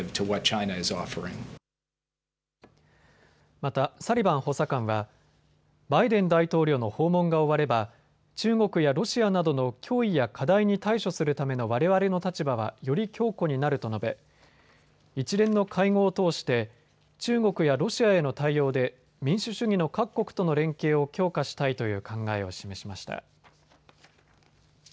またサリバン補佐官はバイデン大統領の訪問が終われば中国やロシアなどの脅威や課題に対処するためのわれわれの立場はより強固になると述べ一連の会合を通して中国やロシアへの対応で民主主義の各国との連携を強化したいという考えを示しました。